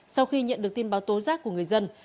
sau khi nhận được tin báo tố giác của người dân